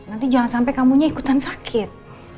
nanti jangan sampe kamu nya ikutan sakit